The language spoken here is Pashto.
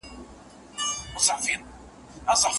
آیا د آس منډه د خره تر منډې چټکه ده؟